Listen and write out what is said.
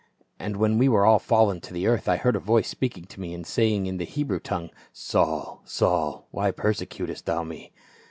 And when we were all fallen to the earth, I heard a voice speaking to me, and saying in the He brew tongue, Saul, Saul, why persecutest thou me